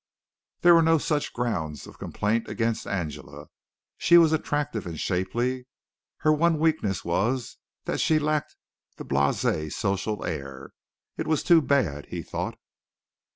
There were no such grounds of complaint against Angela. She was attractive and shapely. Her one weakness was that she lacked the blasé social air. It was too bad, he thought.